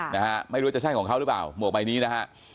นะฮะไม่รู้ว่าจะใช่ของเขาหรือเปล่าหมวกใบนี้นะฮะ